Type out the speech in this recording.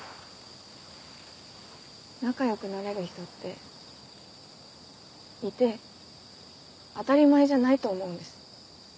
仲良くなれる人っていて当たり前じゃないと思うんです。